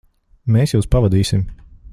Mēs jūs pavadīsim.